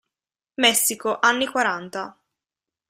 Messico, anni quaranta.